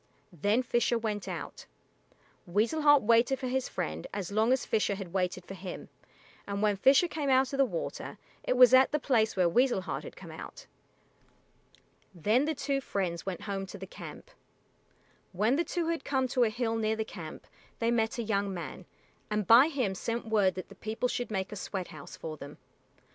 Then Fisher went out. Weasel Heart waited for his friend as long as Fisher had waited for him, and when Fisher came out of the water it was at the place where Weasel Heart had come out. Then the two friends went home to the camp. When the two had come to a hill near the camp they met a young man, and by him sent word that the people should make a sweat house for them.